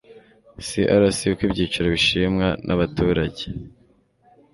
CRC Uko ibyiciro bishimwa n abaturage